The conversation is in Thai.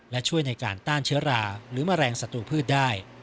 และช่วยในการต้านเชื้อราหรือแมลงศัตรูพืชได้